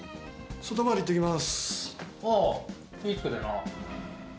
外回り行ってきます